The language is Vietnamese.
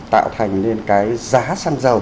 tạo thành nên cái giá xăng dầu